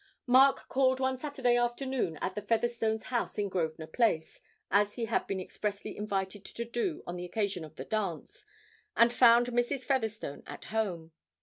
Mark called one Saturday afternoon at the Featherstones' house in Grosvenor Place, as he had been expressly invited to do on the occasion of the dance, and found Mrs. Featherstone at home.